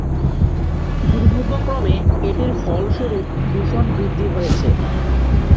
দুর্ভাগ্যক্রমে এটির ফলস্বরূপ দূষণ বৃদ্ধি হয়েছে।